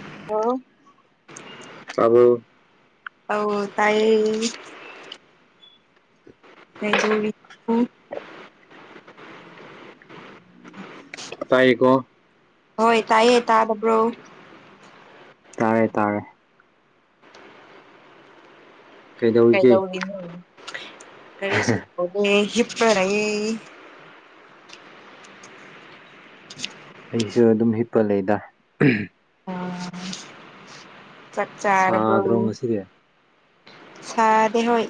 ꯑ ꯇꯕꯨ ꯇꯥꯏ ꯃꯩꯗꯧꯔꯤ ꯑ ꯇꯥꯏꯀꯣ ꯍꯣꯏ ꯇꯥꯏꯌꯦ ꯇꯥꯗꯕ꯭ꯔꯣ ꯇꯥꯔꯦ ꯇꯥꯔꯦ ꯀꯩꯗꯧꯔꯤꯒꯦ ꯀꯩꯗ ꯎꯗꯤꯅ ꯀꯔꯤꯁꯨꯄꯗꯦ ꯍꯄꯔꯒ ꯑꯩꯁꯨ ꯑꯗꯨꯝ ꯍꯤꯠꯄ ꯂꯩꯗ ꯆꯥꯛ ꯆꯥꯔꯕ ꯁꯥꯗ꯭ꯔꯣ ꯉꯁꯤꯗꯤ ꯁꯥꯗꯤꯦ ꯍꯣꯏ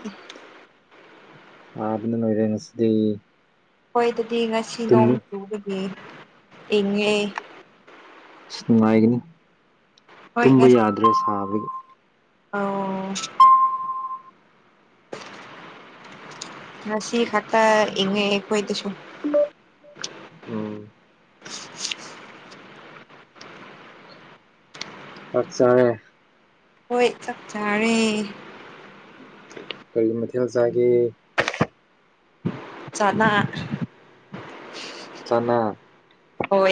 ꯁꯥꯕꯅꯅꯣꯏꯔꯉ ꯁꯤꯗꯤꯌꯦ ꯍꯣꯏꯗꯗꯤ ꯉꯁꯤ ꯅꯣꯡ ꯆꯨꯕꯗꯤ ꯏꯪꯉꯦ ꯑꯁ ꯅꯨꯡꯉꯥꯏꯒꯅꯤ ꯇꯨꯝꯕ ꯌꯥꯗ꯭ꯔꯦ ꯁꯥꯕꯒꯤ ꯑꯣ ꯉꯁꯤ ꯈꯥꯇꯥ ꯏꯉꯣꯏꯗꯁꯨꯣ ꯑꯣ ꯆꯥꯛ ꯆꯔꯦ ꯍꯣꯏ ꯆꯞꯆꯥꯅꯤ ꯀꯔꯤ ꯃꯊꯦꯜ ꯆꯥꯒꯦ ꯆꯠꯅ ꯆꯅ ꯍ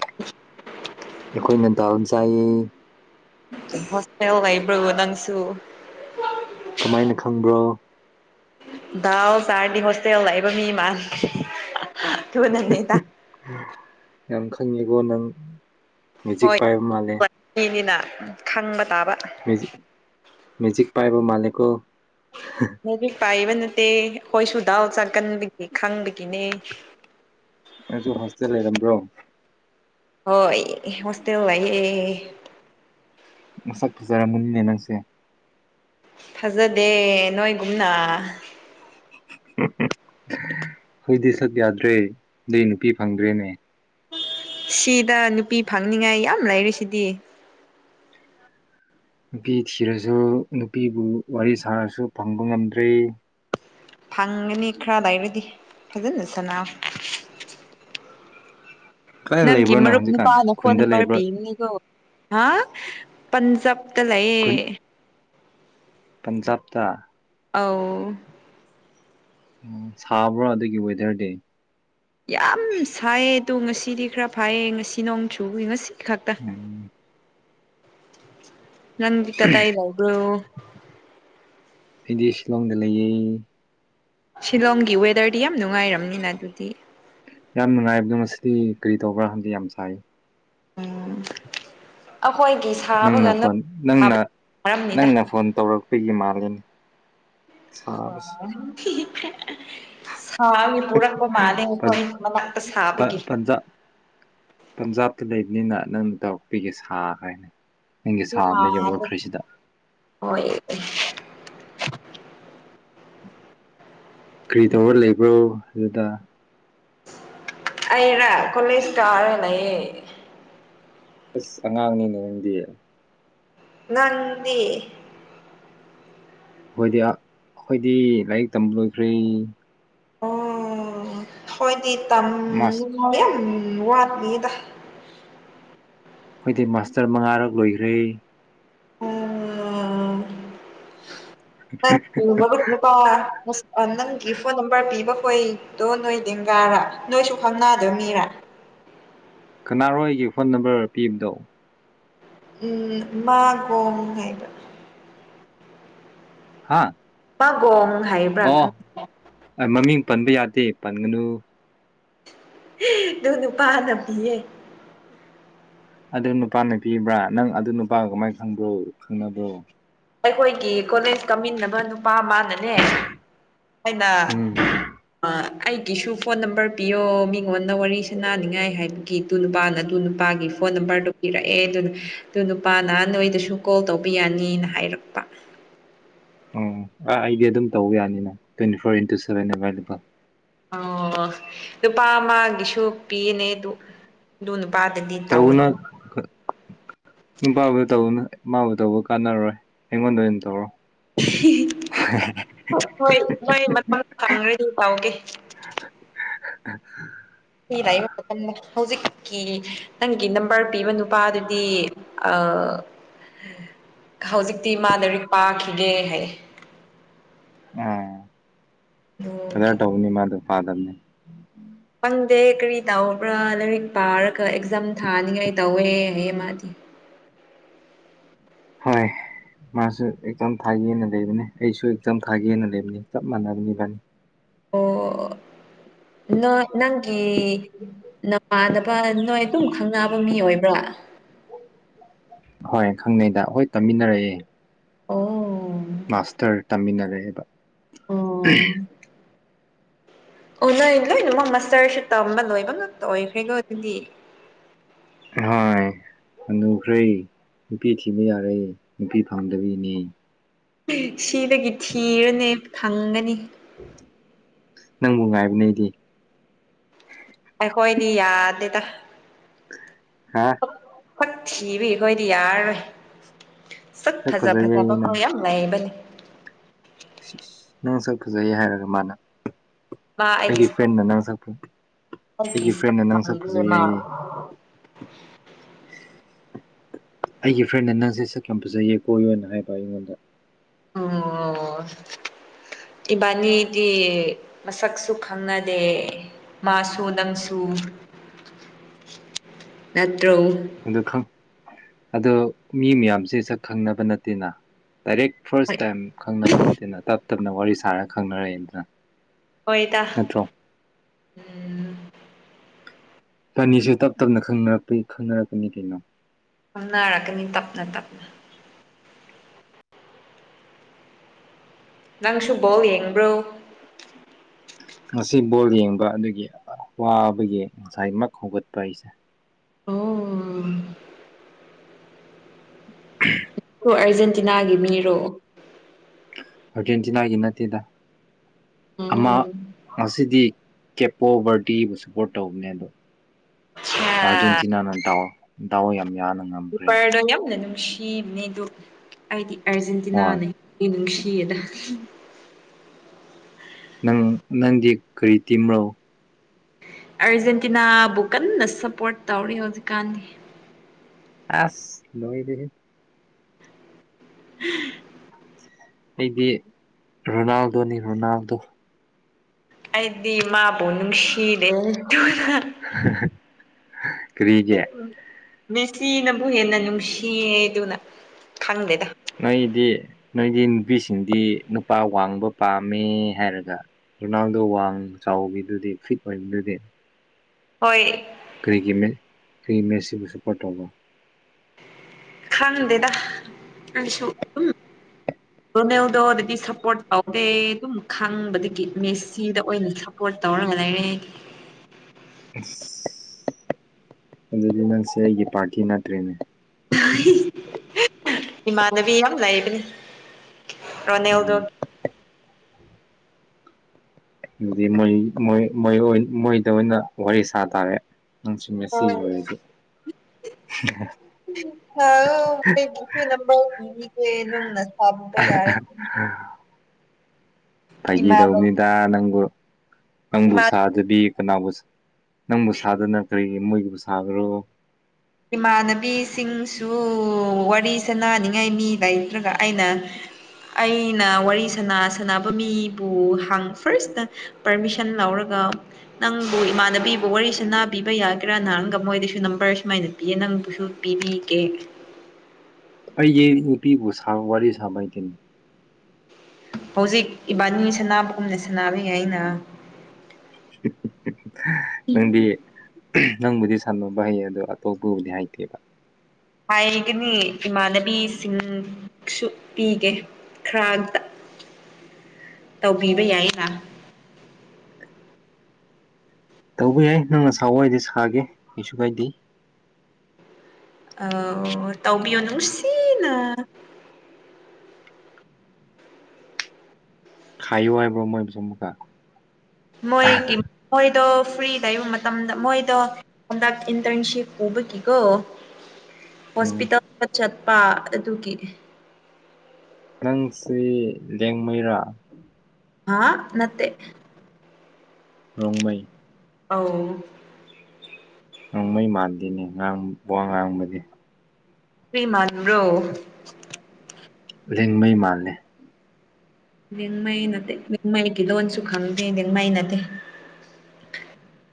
ꯑꯩꯈꯣꯏꯅ ꯇ ꯆꯥꯏꯌꯦ ꯍꯁꯦ ꯋꯥ ꯏꯕ꯭ꯔꯣ ꯅꯪꯁꯨ ꯀꯃꯥꯏꯅ ꯈꯪꯕ꯭ꯔꯣ ꯗꯥꯑꯣ ꯁꯥꯔꯗꯤ ꯍꯣꯁꯇꯦꯜ ꯂꯥꯛꯏꯕ ꯃꯤ ꯃꯥꯜꯦ ꯊꯅꯅꯤꯗ ꯌꯥꯝ ꯈꯪꯉꯤꯦꯀꯣ ꯅꯪ ꯃꯦꯖꯤꯛ ꯍꯣꯏ ꯄꯥꯏꯕ ꯃꯥꯜꯂꯦ ꯃꯤꯅꯤꯅ ꯈꯪꯕ ꯇꯥꯕ ꯃꯦꯖꯛ ꯄꯥꯏꯕ ꯃꯥꯜꯀꯣ ꯅꯗꯤ ꯄꯥꯏꯕ ꯅꯠꯇꯦ ꯍꯣꯏ ꯁꯨ ꯗꯥꯎ ꯆꯥ ꯀꯟꯕꯒꯤ ꯈꯪꯕꯒꯤꯅꯦ ꯅꯪꯁꯨ ꯍꯣꯁꯇꯦꯜ ꯂꯩꯔꯝꯕ꯭ꯔꯣ ꯍ ꯍꯣꯁꯇꯦꯜ ꯂ ꯃꯁꯛ ꯐꯖꯔꯝꯃꯅꯤꯅꯦ ꯅꯪꯁꯦ ꯐꯖꯗꯦ ꯅꯣꯏꯒꯨꯝꯅ ꯎꯝ ꯎꯝ ꯍꯣꯏꯗꯤ ꯁꯛ ꯌꯥꯗ꯭ꯔꯦ ꯑꯗꯩ ꯅꯨꯄꯤ ꯐꯪꯗ꯭ꯔꯦꯅꯦ ꯁꯤꯗ ꯅꯨꯄꯤ ꯐꯪꯅꯤꯉꯥꯏ ꯌꯥꯝ ꯂꯩꯔꯤ ꯁꯤꯗꯤ ꯅꯨꯄꯤ ꯊꯤꯔꯁꯨ ꯅꯨꯄꯤꯕꯨ ꯋꯥꯔꯤ ꯁꯥꯔꯁꯨ ꯐꯪꯕ ꯉꯝꯗ꯭ꯔꯤ ꯐꯪꯒꯅꯤ ꯈꯔ ꯂꯩꯔꯗꯤ ꯐꯖꯅ ꯁꯥꯟꯅ ꯀꯗꯥꯏ ꯅꯪꯒꯤ ꯂꯩꯕ꯭ꯔꯣ ꯅꯪ ꯃꯔꯨꯞ ꯍꯧꯖꯤꯛꯀꯥꯟ ꯅꯨꯄꯥꯅ ꯐꯣꯟ ꯈꯨꯟꯗ ꯅꯝꯕꯔ ꯂꯩꯕ꯭ꯔꯣ ꯄꯤꯝꯅꯦꯀꯣ ꯍꯥ ꯄꯟꯖꯥꯞꯇ ꯂꯩꯑꯌꯦ ꯄꯟꯖꯥꯞꯇ ꯑ ꯑꯣ ꯁꯥꯕ꯭ꯔꯥ ꯑꯗꯨꯒꯤ ꯋꯦꯗꯔꯗꯤ ꯌꯥꯝ ꯁꯥꯏꯌꯦ ꯑꯗꯣ ꯉꯁꯤꯗꯤ ꯈꯔ ꯐꯥꯏꯌꯦ ꯉꯁꯤ ꯅꯣꯡ ꯆꯨ ꯉꯁꯤ ꯎꯝ ꯅꯪꯒꯤ ꯀꯗꯥ ꯏꯗꯣ ꯑꯩꯗꯤ ꯁꯤꯂꯣꯡꯗ ꯂꯩꯌꯦ ꯁꯤꯂꯣꯡꯒꯤ ꯋꯦꯗꯔꯗꯤ ꯌꯥꯝ ꯅꯨꯡꯉꯥꯏꯔꯕꯝꯅꯤꯅ ꯑꯗꯨꯗꯤ ꯌꯥꯝ ꯅꯨꯡꯉꯥꯏꯕꯗꯣ ꯃꯁꯤꯗꯤ ꯀꯔꯤ ꯇꯧꯕ꯭ꯔꯥ ꯈꯟꯗꯤ ꯌꯥꯝ ꯁꯥꯏ ꯎꯝ ꯅꯪꯅ ꯐꯣꯟ ꯅꯪꯅ ꯃꯔꯝꯅꯤꯗ ꯅꯪꯅ ꯐꯣꯟ ꯇꯧꯔꯛꯄꯒꯤ ꯃꯥꯂꯅꯤ ꯑ ꯁꯥꯕꯅꯤ ꯄꯨꯔꯛꯄ ꯃꯥꯜꯂꯦ ꯑꯩꯈꯣꯏ ꯃꯅꯥꯛꯇ ꯁꯥꯕꯒꯤ ꯄꯟꯖꯥꯕ ꯄꯟꯖꯥꯕꯇ ꯂꯩꯕꯅꯤꯅ ꯅꯪꯅ ꯇꯧꯔꯛꯄꯤꯒꯦ ꯁꯥ ꯍꯥꯏꯅ ꯃ ꯍꯣꯏ ꯀꯔꯤ ꯇꯧꯕ ꯂꯩꯕ꯭ꯔꯣ ꯑꯗꯨꯗ ꯑꯩꯔ ꯀꯣꯂꯦꯖ ꯀꯥꯔꯦ ꯂꯩꯌꯦꯦ ꯑꯁ ꯑꯉꯥꯡꯅꯤ ꯅꯗꯤꯌꯦ ꯅꯗꯤ ꯍꯣꯏꯗꯤ ꯑꯩꯣꯏꯗꯤ ꯂꯥꯏꯔꯤꯛ ꯇꯝꯕ ꯂꯣꯏꯈ꯭ꯔꯦ ꯑꯣ ꯍꯣꯏꯗꯤ ꯇꯝ ꯃꯥꯁ ꯍ ꯎ ꯋꯥꯠꯃꯤꯗ ꯑꯩꯣꯏꯗꯤ ꯃꯥꯁꯇꯔ ꯃꯉꯥꯔꯛ ꯂꯣꯏꯈ꯭ꯔꯦ ꯑꯣ ꯅꯨꯄꯥ ꯅꯪꯒꯤ ꯐꯣꯟ ꯅꯝꯕꯔ ꯄꯤꯕ ꯍꯣꯏꯗꯣ ꯅꯣꯏ ꯗꯦꯡꯒꯥꯔ ꯅꯣꯏꯁꯨ ꯈꯝꯅꯗꯣꯏ ꯃꯤꯔꯥ ꯀꯅꯥꯔꯣꯏꯒꯤ ꯐꯣꯟ ꯅꯝꯕꯔ ꯄꯤꯕꯗꯣ ꯎꯝ ꯃꯥꯒꯣꯡ ꯍꯥꯏꯕ ꯍꯥꯥ ꯃꯥꯒꯣꯡ ꯍꯥꯏꯕ꯭ꯔꯥ ꯈꯪ ꯃꯃꯤꯡ ꯄꯟꯕ ꯌꯥꯗꯦ ꯄꯟꯒꯅꯨ ꯇꯅ ꯄꯥꯅ ꯄꯤꯦ ꯑꯗꯨ ꯅꯨꯄꯥꯅꯄꯤꯕ꯭ꯔꯥ ꯅꯪ ꯑꯗꯨ ꯅꯨꯄꯥꯒ ꯀꯃꯥꯏꯅ ꯈꯪꯕ꯭ꯔꯣ ꯈꯪꯅꯕ꯭ꯔꯣ ꯑꯩꯈꯣꯏꯒꯤ ꯀꯣꯂꯦꯖ ꯀꯥꯃꯤꯟꯅꯕꯅ ꯃꯥ ꯃꯥꯅꯅꯦ ꯑꯩꯅ ꯎꯝ ꯑꯩꯒꯤꯁꯨ ꯐꯣꯟ ꯅꯝꯕꯔ ꯄꯤꯌꯣ ꯃꯤꯉꯣꯟꯗ ꯋꯥꯔꯤ ꯁꯥꯟꯅꯅꯤꯡꯉꯥꯏ ꯍꯥꯏꯕꯒꯤꯗꯨ ꯅꯨꯄꯥꯅ ꯑꯗꯨ ꯅꯨꯄꯥꯒꯤ ꯐꯣꯟ ꯅꯝꯕꯔꯗꯨꯣ ꯄꯤꯔꯛꯑꯦ ꯑꯗꯨ ꯑꯗꯨ ꯅꯨꯄꯥꯅ ꯅꯣꯏꯗꯁꯨ ꯀꯣꯜ ꯇꯧꯕꯤ ꯌꯥꯅꯤꯅ ꯑꯌꯔꯄ ꯑꯣ ꯑꯩꯗꯤ ꯑꯗꯨꯝ ꯇꯧꯕ ꯌꯥꯅꯤꯅ twenty four into seven available ꯑꯣ ꯂꯨꯄꯥ ꯑꯃꯒꯤꯁꯨ ꯄꯤꯅꯦ ꯑꯗꯨ ꯅꯨꯄꯥꯗꯗꯤ ꯇꯧꯅ ꯇꯧꯅꯨ ꯕ ꯇꯎꯅ ꯃꯥꯕꯨ ꯇꯧꯕ ꯀꯥꯟꯅꯔꯣꯏ ꯑꯩꯉꯣꯟꯗ ꯑꯣꯏꯅ ꯇꯧꯔꯣ ꯍꯣꯏ ꯅꯣꯏ ꯃ ꯐꯪꯈꯦꯗꯤ ꯇꯥꯎꯒꯦ ꯑꯦ ꯑꯩ ꯂꯥꯛꯏꯕ ꯃꯇꯝꯗ ꯍꯧꯖꯤꯛꯀꯤ ꯅꯪꯒꯤ ꯅꯝꯕꯔ ꯄꯤꯕ ꯅꯨꯄꯥ ꯑꯗꯨꯗꯤ ꯍꯧꯖꯤꯛꯇꯤ ꯃꯥꯗꯔꯤ ꯄꯥꯈꯤꯒꯦ ꯍꯥꯏ ꯑꯥ ꯀꯗꯥꯏ ꯑꯗꯨꯒꯤ ꯇꯧꯅꯤ ꯃꯥꯗ ꯐꯥꯗꯔꯅꯤ ꯈꯪꯗꯦ ꯀꯔꯤ ꯇꯕ꯭ꯔꯥ ꯂꯥꯏꯔꯤꯛ ꯄꯥꯔꯒ ꯑꯦꯛꯖꯥꯝ ꯊꯥꯅꯤꯡꯉꯥꯏ ꯇꯧꯋꯦ ꯍꯌꯦ ꯃꯥꯗꯤ ꯍꯣꯏ ꯃꯥꯁꯨ ꯑꯦꯛꯖꯝ ꯊꯥꯒꯦꯅ ꯂꯩꯕꯅꯦ ꯑꯩꯁꯨ ꯑꯦꯛꯖꯝ ꯊꯥꯒꯦꯅ ꯂꯩꯕꯅꯦ ꯆꯞ ꯃꯥꯟꯅꯕꯅꯤ ꯏꯕꯥꯅꯤ ꯑꯣ ꯅ ꯅꯪꯒꯤ ꯅꯃꯥꯟꯅꯕ ꯅꯣꯏ ꯑꯗꯨꯝ ꯈꯪꯅꯕ ꯃꯤ ꯑꯣꯏꯕ꯭ꯔꯥ ꯍꯣꯏ ꯈꯪꯅꯩꯗ ꯈꯣꯏ ꯇꯝꯃꯤꯟꯅꯔꯛꯑꯦ ꯑꯣ ꯃꯥꯁꯇꯔ ꯇꯝꯃꯤꯟꯅꯔꯛꯑꯦꯕ ꯑꯣ ꯅꯣꯏ ꯂꯣꯏꯅꯃꯛ ꯃꯁꯇꯔꯁꯨ ꯇꯝꯕ ꯂꯣꯏꯕ ꯉꯥꯛꯇ ꯑꯣꯏꯈ꯭ꯔꯦꯀꯣ ꯑꯗꯨꯗꯤ ꯍꯣꯏ ꯍꯥꯅꯨꯈ꯭ꯔꯦ ꯅꯨꯄꯤ ꯊꯤꯕ ꯌꯥꯔꯦ ꯅꯨꯄꯤ ꯐꯪꯗꯕꯤꯅꯦ ꯁꯤꯗꯒꯤ ꯊꯤꯔꯣꯅꯦ ꯐꯪꯒꯅꯤ ꯅꯪꯕꯨ ꯉꯥꯏꯕꯅꯦ ꯑꯩꯗꯤ ꯑꯩꯈꯣꯏꯗꯤ ꯌꯥꯗꯦꯗ ꯍꯥꯥ ꯍꯣꯏ ꯊꯤꯕꯤꯈꯣꯏꯗꯤ ꯌꯥꯔꯔꯣꯏ ꯁꯛ ꯐꯖ ꯐꯖꯕ ꯐꯖꯩꯌꯦꯌꯦ ꯅꯪ ꯈꯣꯏ ꯌꯥꯝ ꯂꯩꯕꯅꯤ ꯅꯪ ꯁꯛ ꯐꯖꯩ ꯍꯥꯏꯔꯒ ꯃꯥꯅ ꯃꯥ ꯑꯩꯒꯤ ꯁꯛ ꯐ꯭ꯔꯦꯟꯅ ꯅꯪ ꯁꯛꯐ ꯑꯩꯒꯤ ꯐ꯭ꯔꯦꯟꯅ ꯅꯪ ꯁꯛ ꯐꯖꯩꯌꯦ ꯍꯥꯏꯌꯦ [unintelligible] ꯑꯩꯒꯤ ꯐ꯭ꯔꯦꯟꯅ ꯅꯪꯁꯦ ꯁꯛ ꯌꯥꯝ ꯐꯖꯩꯌꯦ ꯀꯣꯏꯌꯣꯅ ꯍꯥꯏꯕ ꯑꯩꯉꯣꯟꯗ ꯑꯣ ꯏꯕꯥꯅꯤꯗꯤ ꯃꯁꯛꯁꯨ ꯈꯪꯅꯗꯦ ꯃꯥꯁꯨ ꯅꯪꯁꯨ ꯇ꯭ꯔꯧꯨ [unintelligible] ꯑꯗꯨ ꯈꯪ ꯑꯗꯣ ꯃꯤ ꯃꯌꯥꯝꯁꯦ ꯁꯛ ꯈꯪꯅꯕ ꯅꯠꯇꯦꯅ ꯗꯥꯏꯔꯦꯛ ꯐꯥꯔꯁ ꯍꯣꯏ ꯇꯥꯏꯝ ꯈꯪꯅꯕ ꯅꯠꯇꯦꯅ ꯇꯞ ꯇꯞꯅ ꯋꯥꯔꯤ ꯁꯥꯔ ꯈꯪꯅꯔꯛꯑꯦꯗꯅ ꯍꯣꯏꯗ ꯅꯠꯇ꯭ꯔꯣ ꯏꯕꯅꯤꯁꯨ ꯇꯞ ꯇꯞꯅ ꯈꯪꯅꯔꯛꯄꯩ ꯈꯪꯅꯔꯛꯀꯅꯤ ꯀꯩꯅꯣ ꯈꯪꯅꯥꯔꯛꯀꯅꯤ ꯇꯞꯅ ꯇꯞꯅ ꯅꯪꯁꯨ ꯕꯣꯜ ꯌꯦꯡꯕ꯭ꯔꯣ ꯉꯁꯤ ꯕꯣꯜ ꯌꯦꯡꯕ ꯑꯗꯨꯒꯤ ꯋꯥꯕꯒꯤ ꯉꯁꯥꯏꯃꯛ ꯍꯧꯒꯠꯄ ꯑꯩꯁꯦ ꯑꯣ [unintelligible] ꯑꯥꯔꯖꯦꯟꯇꯤꯅꯥꯒꯤ ꯃꯤꯔꯣ ꯑꯥꯔꯖꯦꯟꯇꯤꯅꯥꯒꯤ ꯅꯠꯇꯦꯗ ꯑꯃ ꯎꯝ ꯉꯁꯤꯗꯤ ꯀꯦꯞꯄꯣ ꯕꯔꯗꯤꯕꯨ ꯁꯄꯣꯔꯠ ꯇꯧꯕꯅꯦ ꯑꯗꯣ ꯑ ꯑꯥꯔꯖꯦꯟꯇꯤꯅꯥꯅ ꯗꯥꯎ ꯗꯥꯎ ꯌꯥꯝ ꯌꯥꯅ ꯉꯝꯈ꯭ꯔꯦꯅꯦ ꯀꯤꯄꯔꯗꯣ ꯌꯥꯝꯅ ꯅꯨꯡꯁꯤꯕꯅꯤꯗꯣ ꯑꯩꯗꯤ ꯍꯣꯏ ꯑꯔꯖꯦꯟꯇꯤꯅꯥꯅꯦ ꯍꯦꯟꯅ ꯅꯨꯡꯁꯤ ꯌꯦꯗ [unintelligible] ꯅꯪ ꯅꯪꯗꯤ ꯀꯔꯤ ꯇꯤꯝꯔꯣ ꯑꯥꯔꯖꯦꯟꯇꯤꯅꯥꯕꯨ ꯀꯟꯅ ꯁꯞꯄꯣꯔꯠ ꯇꯧꯔꯤ ꯍꯧꯖꯤꯛꯀꯥꯟꯗꯤ ꯑꯥꯁ ꯂꯣꯏꯔꯦꯍꯦ [unintelligible] ꯑꯩꯗꯤ ꯔꯣꯅꯥꯜꯗꯣꯅꯤ ꯔꯣꯅꯥꯜꯗꯣ ꯑꯩꯗꯤ ꯃꯥꯕꯨ ꯅꯨꯡꯁꯤꯗꯦ ꯗꯨꯅꯥ ꯍ [unintelligible] ꯃꯦꯁꯤꯅꯕꯨ ꯍꯦꯟꯅ ꯅꯨꯡꯁꯤꯌꯦꯗꯨꯅ ꯈꯪꯗꯦꯗ ꯅꯣꯏꯗꯤ ꯅꯣꯏꯗꯤ ꯅꯨꯄꯤꯁꯤꯡꯗꯤ ꯅꯨꯄꯥ ꯋꯥꯡꯕ ꯄꯥꯝꯃꯦ ꯍꯥꯏꯔꯒ ꯔꯣꯅꯥꯜꯗꯣ ꯋꯥꯡ ꯆꯥꯎꯕꯤꯗꯨꯗꯤ ꯐꯤꯠ ꯑꯣꯏꯕꯗꯨꯗꯤ ꯍꯣꯏ ꯀꯔꯤꯒꯤ ꯀ꯭ꯔꯤꯒꯤꯃꯦꯁꯤꯕꯨ ꯁꯄꯣꯔꯇꯧꯒ ꯈꯪꯗꯗ ꯔꯣꯅꯦꯜꯗꯣ ꯑꯗꯨꯗꯤ ꯁꯞꯄꯣꯔꯠ ꯇꯧꯗꯦ ꯑꯗꯨꯝ ꯈꯪꯕꯗꯒꯤ ꯃꯦꯁꯤꯗ ꯑꯣꯏꯅ ꯁꯞꯄꯣꯔꯠ ꯇꯧꯔꯒ ꯂꯥꯏꯅꯦ ꯑꯁ ꯑꯗꯨꯗꯤ ꯅꯪꯁꯦ ꯑꯩꯒꯤ ꯄꯥꯔꯇꯤ ꯅꯠꯇ꯭ꯔꯤꯅꯦ ꯏꯃꯥꯟꯅꯕꯤ ꯌꯥꯝ ꯂꯩꯕꯅꯦ ꯑꯣ ꯅꯦꯎꯗꯣ ꯎꯝ ꯑꯗꯨꯗꯤ ꯃꯣꯏꯣꯏꯣꯏ ꯃꯣꯏꯗ ꯑꯣꯏꯅ ꯋꯥꯔꯤ ꯁꯥ ꯇꯥꯔꯦ ꯎ ꯁꯨꯝꯃꯦꯁꯤ ꯑꯣꯏꯗꯤ ꯍ ꯈꯕꯒꯦ ꯅꯝꯅ ꯑꯄ ꯌꯥꯔꯦ ꯏꯃꯥꯟꯅ ꯐꯥꯈꯤꯗꯧꯕꯅꯤꯗ ꯅꯪꯕꯨ ꯅꯪꯕꯨ ꯁꯥꯗꯕꯤ ꯀꯅꯥꯕꯨ ꯅꯪꯕꯨ ꯁꯥꯗꯅ ꯀꯔꯤ ꯃꯣꯏꯒꯤꯕꯨ ꯁꯥꯈꯔꯣ ꯏꯃꯥꯟꯅꯕꯤꯁꯤꯡꯁꯨ ꯋꯥꯔꯤ ꯁꯅꯅꯤꯡꯉꯥꯏ ꯃꯤ ꯂꯩ ꯅꯠꯇ꯭ꯔꯒ ꯑꯩꯅ ꯑꯩꯅ ꯋꯥꯔꯤ ꯁ ꯁꯅꯕ ꯃꯤꯕꯨ ꯍ ꯐꯥꯔꯁꯇ ꯄꯔꯃꯤꯁꯟ ꯂꯧꯔꯒ ꯅꯪꯕꯨ ꯏꯃꯥꯟꯅꯕꯤꯕꯨ ꯋꯥꯔꯤꯁꯦ ꯅꯥꯕꯤꯕ ꯌꯥꯒꯦꯔꯥꯅꯅꯥꯔꯪꯒ ꯃꯣꯏꯗꯁꯨ ꯅꯝꯕꯔ ꯁꯨꯃꯥꯏꯅ ꯄ ꯅꯪꯕꯨꯁꯨ ꯄꯤꯕꯤꯒꯦ ꯑꯩꯒꯤ ꯅꯨꯄꯤꯕꯨ ꯋꯥꯔꯤ ꯁꯥꯃꯥꯏ ꯇꯅꯤ ꯍꯧꯖꯤꯛ ꯏꯕꯥꯅꯤ ꯁꯅꯕꯒꯨꯝꯅ ꯁꯅꯥꯕꯤ ꯑꯩꯅ ꯅꯗꯤ ꯅꯪꯕꯨꯗꯤ ꯁꯥꯟꯣꯅꯕ ꯍꯩ ꯑꯗꯣ ꯑꯇꯣꯞꯄꯕꯨꯗꯤ ꯍꯩꯇꯦꯕ ꯍꯥꯏꯒꯅꯤ ꯏꯃꯥꯟꯅꯕꯤꯁꯤꯡꯁꯨ ꯄꯤꯒꯦ ꯈꯔ ꯑꯝꯇ ꯇꯧꯕꯤꯕ ꯌꯥꯏ ꯀꯥ ꯇꯧꯕ ꯌꯥꯏ ꯅꯪ ꯑꯁꯥ ꯋꯥꯏꯗꯤ ꯁꯥꯒꯦ ꯀꯩꯁꯨ ꯀꯥꯏꯗꯦ ꯑ ꯇꯥꯎꯕꯤꯌꯣ ꯅꯨꯡꯁꯤꯅ ꯈꯥꯏꯨ ꯍꯥꯏꯕ꯭ꯔꯣꯃꯣꯏ ꯄ ꯆꯃꯨꯀꯥ ꯃꯣꯏ ꯃꯣꯏ ꯇꯣ ꯐ꯭ꯔꯤꯗ ꯂꯩꯕ ꯃꯇꯝꯗ ꯃꯣꯏꯗꯣ ꯍꯟꯗꯛ ꯏꯟꯇꯔꯟꯁꯤꯞ ꯎꯕꯒꯤꯀꯣ ꯎꯝ ꯍꯣꯁꯄꯤꯇꯥꯜꯗ ꯆꯠꯄ ꯑꯗꯨꯒꯤ ꯅꯪꯁꯤ ꯂꯦꯡꯃꯩꯔꯥ ꯑꯥ ꯅꯠꯇꯦ ꯔꯣꯡꯃꯩ ꯑꯥꯎ ꯉꯥꯡꯃꯩ ꯃꯥꯟꯗꯦꯅꯦ ꯉꯥꯡ ꯋꯥ ꯉꯥꯡꯕꯗꯤ ꯁ꯭ꯔꯤꯃꯥꯟ ꯔꯣ ꯂꯦꯡꯃꯩ ꯃꯥꯜꯂꯦ ꯅꯃꯥꯏꯩꯅꯠꯇꯦꯃꯩꯒꯤ ꯂꯣꯟꯁꯨ ꯈꯪꯗꯦ ꯃꯥꯏꯩꯅꯠꯇꯦ [unintelligible]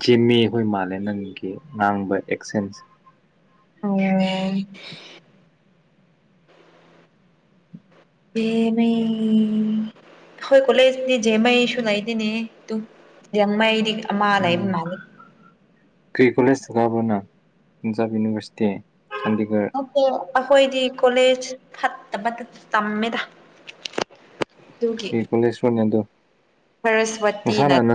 ꯖꯤꯃꯤ ꯍꯣꯏ ꯃꯥꯂꯦ ꯅꯪꯒꯤ ꯉꯥꯡꯕ ꯑꯦꯛꯁꯦꯟꯁ ꯑꯣ ꯄꯃꯦ ꯍꯣꯏ ꯀꯂꯦꯅꯤ ꯖꯦꯃꯥꯏꯁꯨ ꯂꯩꯥꯏꯗꯅꯦ ꯇ ꯃꯥꯏ ꯃꯥ ꯂꯩ ꯎꯝ ꯏꯃ ꯂꯩ ꯀꯔꯤ ꯀꯂꯦꯖ ꯊꯒꯕꯅ ꯄꯟꯖꯥꯕ ꯌꯨꯅꯤꯚꯔꯁꯤꯇꯤ ꯆꯥꯟꯗꯤꯒꯔ ꯑ ꯑꯩꯈꯣꯏꯗꯤ ꯀꯣꯂꯦꯖ ꯐꯠꯇ ꯐꯠꯇ ꯇꯝꯃꯦꯗ ꯑꯗꯨꯒꯤ ꯍ ꯀꯂꯁꯣꯔꯅꯤ ꯑꯗꯨꯣ ꯁꯔꯁꯋꯇꯤꯅ ꯉꯁꯥꯅꯅ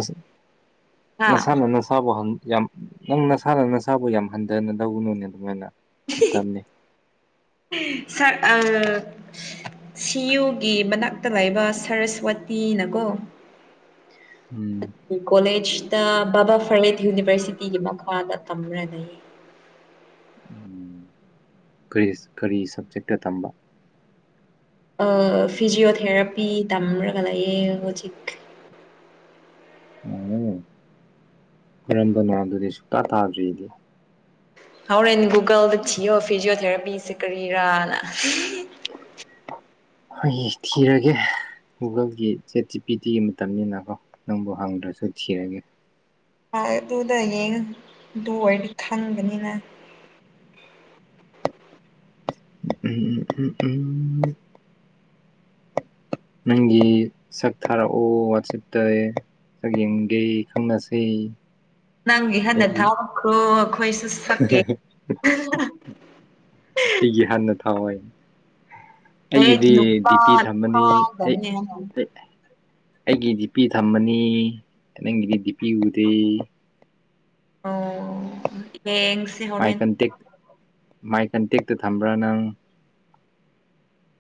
ꯍꯥ ꯅꯁꯥꯟꯅ ꯅꯆꯥꯕ ꯍꯪ ꯌꯥꯝ ꯅꯪ ꯅꯁꯥꯅ ꯅꯁꯥꯕꯨ ꯌꯥꯝ ꯍꯟꯊꯅ ꯂꯧꯧꯕꯅꯨꯅꯦ ꯑꯗꯨꯃꯥꯏꯅ ꯐꯠꯇꯕꯅꯦ ꯁ ꯑ ꯁꯤꯌꯨꯒꯤ ꯃꯅꯥꯛꯇ ꯂꯩꯕ ꯁꯔꯁꯋꯇꯤꯅꯀꯣ ꯎꯝ ꯀꯣꯂꯦꯖ ꯇ ꯕꯥ ꯐꯔꯤꯍꯤꯠ ꯌꯨꯅꯤꯚꯔꯁꯤꯇꯤꯒꯤ ꯃꯈꯥꯗ ꯇꯝꯅꯩ ꯀꯔꯤ ꯁꯕꯖꯦꯛꯇ ꯇꯝꯕ ꯐꯤꯖꯤꯌꯑꯣꯊꯦꯔꯥꯄꯤ ꯇꯝꯔꯒ ꯂꯩꯌꯦꯦ ꯍꯧꯖꯤꯛ ꯎꯝ ꯀꯔꯝꯕꯅꯣ ꯑꯗꯨꯗꯤ ꯁꯨꯛꯇꯥ ꯇꯥꯗ꯭ꯔꯤꯗꯤ ꯍꯣꯔꯦꯟꯦꯟ ꯒꯨꯒꯜꯗ ꯊꯤꯌꯣ ꯐꯤꯖꯤꯑꯣꯊꯦꯔꯥꯄꯤꯁꯦ ꯀꯔꯤꯔꯥꯅ [inaudible] ꯍꯩ ꯊꯤꯔꯒꯦ ꯒꯨꯒꯜꯒꯤ ꯆꯦꯠ ꯆꯤ ꯄꯤ ꯇꯤꯒꯤ ꯃꯇꯝꯅꯤꯅ ꯀꯣ ꯅꯪꯕꯨ ꯍꯪꯗ꯭ꯔꯁꯨ ꯊꯤꯔꯒꯦ ꯑꯗꯨꯗ ꯌꯦꯡꯉ ꯑꯗꯨ ꯑꯣꯏꯔꯗꯤ ꯈꯪꯕꯅꯤꯅ ꯎꯝ ꯎꯝ ꯎꯝ ꯅꯪꯒꯤ ꯁꯛ ꯊꯔꯛꯑꯣ ꯋꯥꯠꯆꯞꯇꯦ ꯆꯌꯦꯡꯒꯤꯦ ꯈꯪꯅꯁꯤ ꯅꯪꯒꯤ ꯍꯟꯅ ꯊꯥꯔꯛꯈ꯭ꯔꯣ ꯑꯩꯈꯣꯏꯁꯨ ꯁꯛꯀꯦ ꯍ ꯍꯣꯏ ꯍꯦ ꯑꯩꯒꯤꯗꯤ ꯅꯨꯄꯥ ꯗꯤ ꯄꯤ ꯊꯝꯃꯅꯤ ꯑꯩ ꯅꯨꯄꯥꯗꯧꯅꯦ ꯍꯥꯏꯅ꯫ ꯑꯩꯒꯤ ꯗꯤꯄꯤ ꯊꯝꯃꯅꯤ ꯅꯪꯒꯤꯗꯤ ꯗꯤꯄꯤ ꯎꯗꯦ ꯑꯣ ꯌꯦꯡꯡꯁꯤ ꯃꯥꯏ ꯍꯣꯔꯦꯟ ꯀꯟꯇꯦꯛ ꯃꯥꯏ ꯀꯟꯇꯦꯛꯇꯨ ꯊꯝꯕ꯭ꯔꯥ ꯅꯪ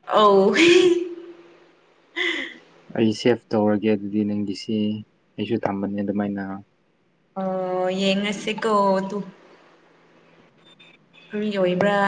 ꯑ ꯑꯩ ꯁꯦꯞ ꯇꯧꯔꯒꯦ ꯑꯗꯨꯗꯤ ꯅꯪꯒꯤꯁꯤ ꯑꯩꯁꯨ ꯊꯝꯕꯅꯦ ꯑꯗꯨꯃꯥꯏꯅ ꯑ ꯌꯦꯡꯉꯁꯤꯦ ꯀꯣ ꯇꯨ ꯅꯪ ꯌꯕ꯭ꯔꯥ